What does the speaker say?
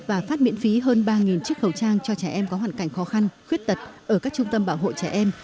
và phát miễn phí hơn ba chiếc khẩu trang cho trẻ em có hoàn cảnh khó khăn khuyết tật ở các trung tâm bảo hộ trẻ em